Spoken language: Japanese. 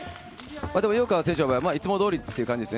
井岡選手の場合、いつもどおりという感じですね。